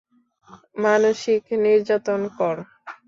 মানসিক নির্যাতন কর।